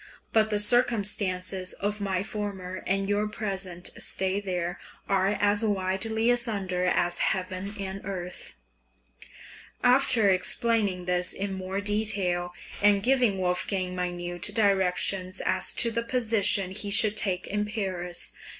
But the circumstances of my former and your present stay there are as widely asunder as heaven and earth. {DEPARTURE FROM MANNHEIM, 1778.} (429) After explaining this in more detail, and giving Wolfgang minute directions as to the position he should take in Paris.